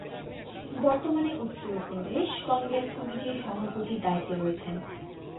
বর্তমানে উত্তরপ্রদেশ কংগ্রেস কমিটির সভাপতির দায়িত্বে রয়েছেন।